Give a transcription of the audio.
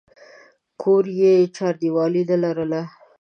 کور یې چاردیوالي نه لرله.